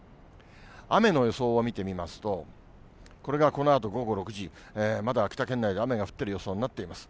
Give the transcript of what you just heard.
雨の予想を見てみますと、これがこのあと午後６時、まだ秋田県内で雨が降ってる予想になってます。